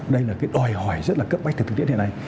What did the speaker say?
đây là cái đòi hỏi rất là cấp bách từ thực tiễn hiện nay